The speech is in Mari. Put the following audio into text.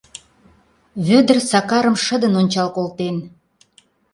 Вӧдыр Сакарым шыдын ончал колтен.